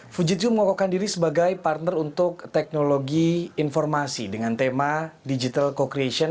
fujitsu mengokokkan diri sebagai partner untuk teknologi informasi dengan tema digital co creation